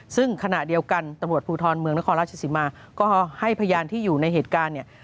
ซึ่งขณะเดียวกันตำรวจภูทรเมืองนครราชสิมาก็ให้พยานที่อยู่ในเหตุการณ์เนี่ย